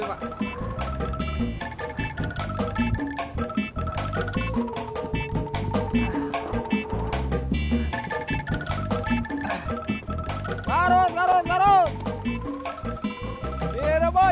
pernah nyumka freakin